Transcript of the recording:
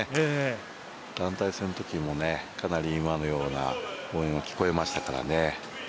団体戦のときもかなり今のような応援は聞こえましたからね。